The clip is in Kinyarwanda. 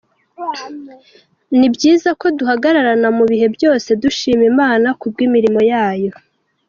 Ni byiza ko duhagararana mu bihe byose dushima Imana ku bw’imirimo yayo.